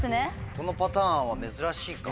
このパターンは珍しいかも。